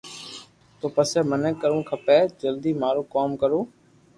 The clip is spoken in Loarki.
تو پسو مني ڪرووہ کپي جلدو مارو ڪوم ڪرو